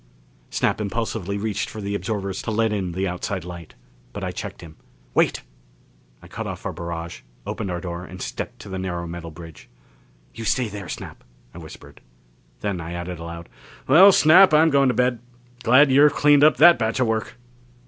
Snap impulsively reached for the absorbers to let in the outside light. But I checked him. "Wait!" I cut off our barrage, opened our door and stepped to the narrow metal bridge. "You stay there, Snap!" I whispered. Then I added aloud, "Well, Snap, I'm going to bed. Glad you've cleaned up that batch of work."